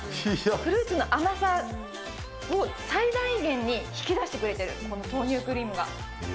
フルーツの甘さを最大限に引き出してくれてる、この豆乳クリームが。